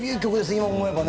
今、思えばね。